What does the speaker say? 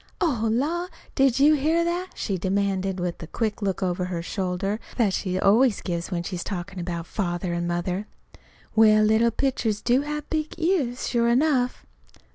"Oh, la! Did you hear that?" she demanded, with the quick look over her shoulder that she always gives when she's talking about Father and Mother. "Well, little pitchers do have big ears, sure enough!"